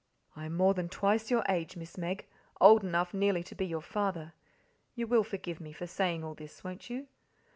"I am more than twice your age, Miss Meg, old enough nearly to be your father you will forgive me for saying all this, won't you?